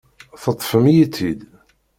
Teṭṭfem-iyi-tt-id.